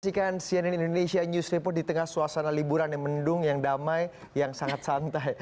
masihkan cnn indonesia news report di tengah suasana liburan yang mendung yang damai yang sangat santai